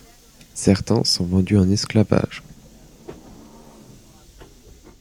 Certains sont vendus en esclavage.